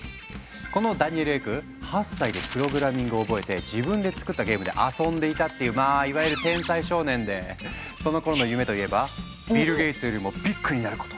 このダニエル・エク８歳でプログラミングを覚えて自分で作ったゲームで遊んでいたっていうまあいわゆる天才少年でそのころの夢といえば「ビル・ゲイツよりもビッグになること」だったとか。